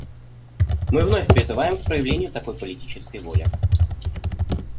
Мы вновь призываем к проявлению такой политической воли.